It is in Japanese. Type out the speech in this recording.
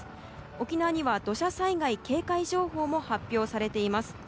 沖縄には土砂災害警戒情報も発表されています。